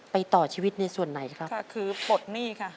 ต่อชีวิตในส่วนไหนครับก็คือปลดหนี้ค่ะ